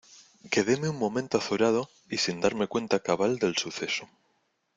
quedéme un momento azorado y sin darme cuenta cabal del suceso.